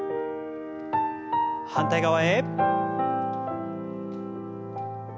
反対側へ。